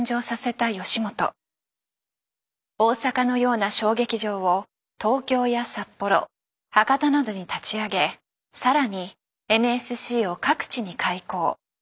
大阪のような小劇場を東京や札幌博多などに立ち上げ更にＮＳＣを各地に開校。